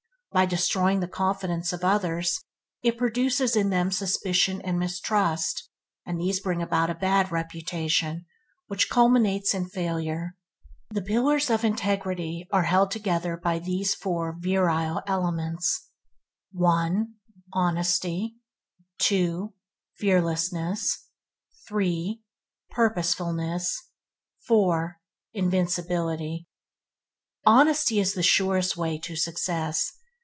By destroying the confidence of others, it produces in them suspicion and mistrust, and these bring about a bad reputation, which culminates in failure. The Pillar of Integrity is held together by these four virile elements: 1. Honesty 2. Fearlessness 3. Purposefulness 4. Invincibility Honesty is the surest way to success.